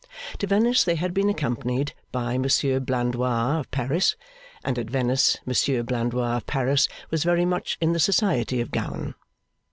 To Venice they had been accompanied by Monsieur Blandois of Paris, and at Venice Monsieur Blandois of Paris was very much in the society of Gowan.